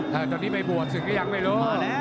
ตอนนี้ไม่บ่วนสึกยังไม่รู้